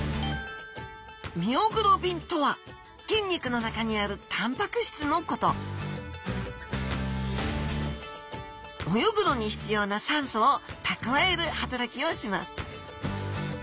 ミオグロビンとは筋肉の中にあるたんぱく質のこと泳ぐのに必要な酸素を蓄える働きをします